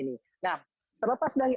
nah terlepas dari